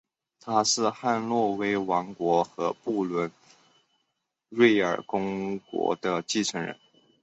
他是汉诺威王国和不伦瑞克公国的继承人。